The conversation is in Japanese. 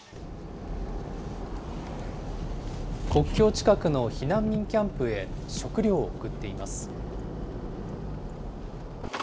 国境近くの避難民キャンプへ食料を送っています。